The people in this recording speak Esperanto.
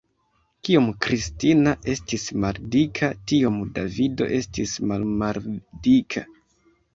Kiom Kristina estis maldika, tiom Davido estis malmaldika.